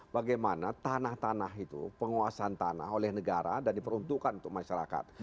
bagaimana tanah tanah itu penguasaan tanah oleh negara dan diperuntukkan untuk masyarakat